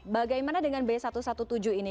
bagaimana dengan b satu ratus tujuh belas ini